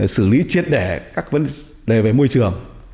xử lý triệt đẻ các vấn đề về môi trường